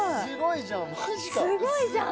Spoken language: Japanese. すごいじゃん。